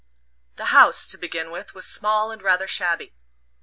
The house, to begin with, was small and rather shabby.